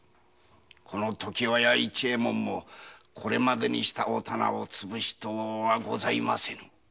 この常盤屋もこれまでにしたお店をつぶしとうはございません。